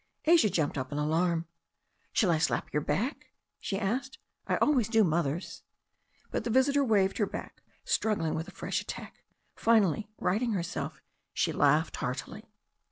Asia jumped up in alarm. "Shall I slap your back?" she asked. "I always do Mother's." But the visitor waved her back, struggling with a fresh attack. Finally, righting herself, she laughed heartily.